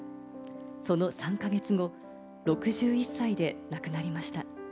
その３か月後、６１歳で亡くなりました。